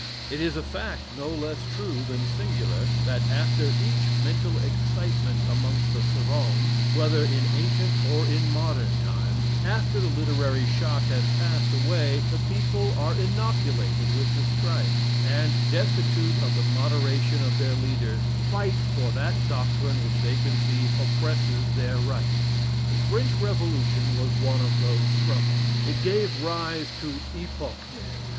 It is a fact no less true than singular, that after each mental excitement amongst the savons, whether in ancient or in modern times, after the literary shock has passed away, the people are innoculated with the strife, and, destitute of the moderation of their leaders, fight for that doctrine which they conceive oppresses their rights. The French Revolution was one of those struggles. It gave rise to epoch men.